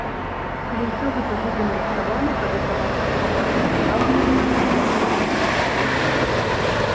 Калі ўсё гэта будзе нарыхтавана, тады драматург пабачыць сапраўднае выяўленне ў вобразах сваёй п'есы.